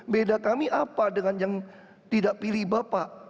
beda kami apa dengan yang tidak pilih bapak